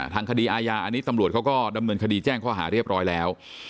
ทางคดีอาญาอันนี้ตำรวจเขาก็ดำเนินคดีแจ้งข้อหาเรียบร้อยแล้ว